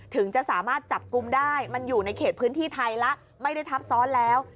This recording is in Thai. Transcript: ถึงจะสามารถจับกลุ่มได้มันอยู่ในเขตพื้นที่ไทยแล้วไม่ได้ทับซ้อนแล้ว